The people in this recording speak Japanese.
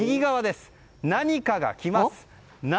何かが来ます。